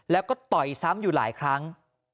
แล้วก็ต่อยซ้ำอยู่หลายครั้ง